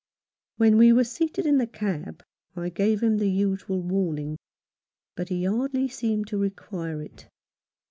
When we were seated in the cab I gave him the usual warning, but he hardly seemed to require it.